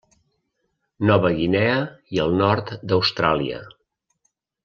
Nova Guinea i el nord d'Austràlia.